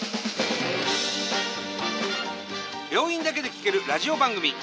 病院だけで聴けるラジオ番組。